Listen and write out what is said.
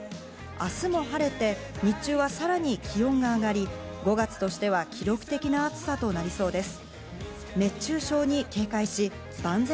明日も晴れて、日中はさらに気温が上がり、５月としては記録的な暑さとなりそうです。